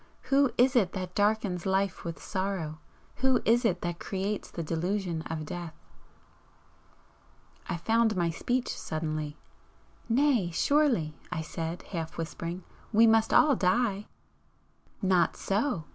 Who is it that darkens life with sorrow? who is it that creates the delusion of death?" I found my speech suddenly. "Nay, surely," I said, half whispering "We must all die!" "Not so!"